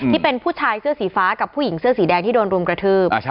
ที่เป็นผู้ชายเสื้อสีฟ้ากับผู้หญิงเสื้อสีแดงที่โดนรุมกระทืบ